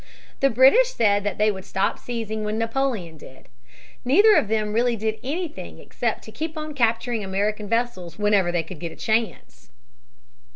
The British said that they would stop seizing when Napoleon did. Neither of them really did anything except to keep on capturing American vessels whenever they could get a chance.